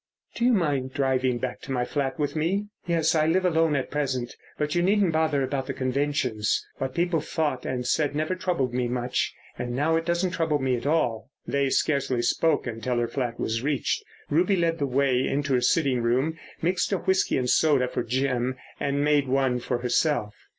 "Do you mind driving back to my flat with me? Yes, I live alone at present, but you needn't bother about the conventions. What people thought and said never troubled me much, and now it doesn't trouble me at all." They scarcely spoke until her flat was reached. Ruby led the way into her sitting room, mixed a whisky and soda for Jim and made one for herself.